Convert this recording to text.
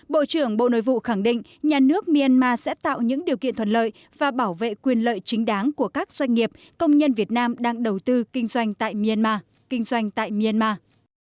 bộ trưởng bộ nội vụ khẳng định nhà nước myanmar sẽ tạo những điều kiện thuận lợi và bảo vệ quyền lợi chính đáng của các doanh nghiệp công nhân việt nam đang đầu tư kinh doanh tại myanmar